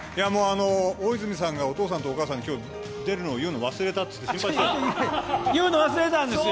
大泉さんがお父さんとお母さんに出るって言うの忘れたそうで言うの忘れたんですよ。